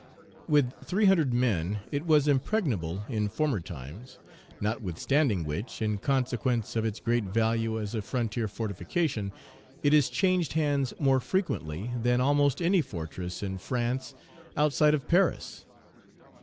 Page 348 With three hundred men it was impregnable in former times, notwithstanding which, in consequence of its great value as a frontier fortification, it has changed hands more frequently than almost any fortress in France outside of Paris.